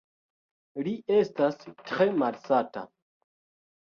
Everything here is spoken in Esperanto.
Li estas tre malsata.